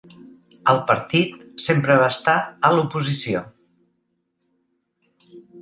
El partit sempre va estar a l'oposició.